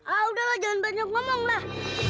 ah udahlah jangan banyak ngomong lah